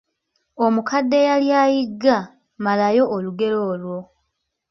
Omukadde eyali ayigga, malayo olugero olwo.